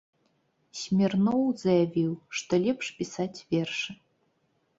Смірноў заявіў, што лепш пісаць вершы.